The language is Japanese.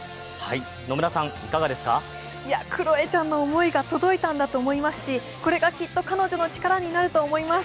クロエちゃんの思いが届いたんだと思いますし、これがきっと彼女の力になると思います。